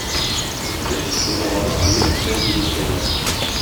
Үскәч, шул баланы Аю-Әппәз дип йөрткәннәр.